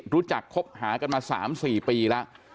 รู้จักคบหากันมา๓๔ปีละ